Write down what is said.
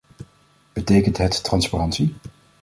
Betekent het transparantie?